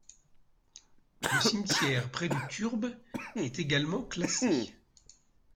Le cimetière près du turbe est également classé.